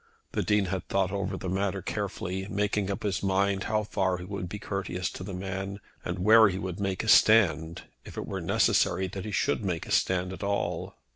The Dean had thought over the matter carefully, making up his mind how far he would be courteous to the man, and where he would make a stand if it were necessary that he should make a stand at all.